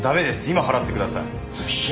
今払ってください。